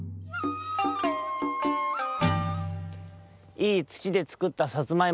いいつちでつくったさつまいも。